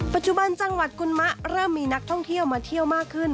ปัจจุบันจังหวัดกุลมะเริ่มมีนักท่องเที่ยวมาเที่ยวมากขึ้น